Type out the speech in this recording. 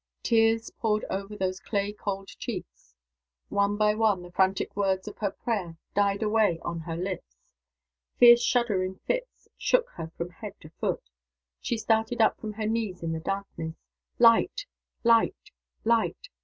Tears poured over those clay cold cheeks. One by one, the frantic words of her prayer died away on her lips. Fierce shuddering fits shook her from head to foot. She started up from her knees in the darkness. Light! light! light!